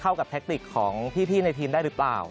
เข้ากับแทคติกของพี่ในทีมได้หรือเปล่า